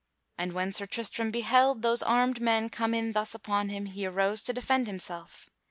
And when Sir Tristram beheld those armed men come in thus upon him, he arose to defend himself.